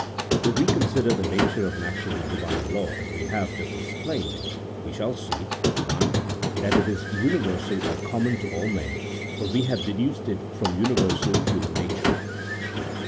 If we consider the nature of natural Divine law as we have just explained it, we shall see I. That it is universal or common to all men, for we have deduced it from universal human nature.